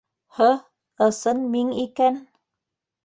- Һы, ысын миң икән.